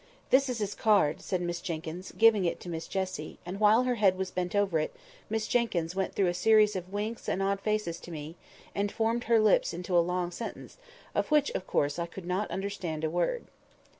"This is his card," said Miss Jenkyns, giving it to Miss Jessie; and while her head was bent over it, Miss Jenkyns went through a series of winks and odd faces to me, and formed her lips into a long sentence, of which, of course, I could not understand a word.